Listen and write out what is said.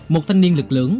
một thanh niên lực lưỡng